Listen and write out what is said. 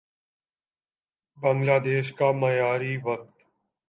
بنگلہ دیش کا معیاری وقت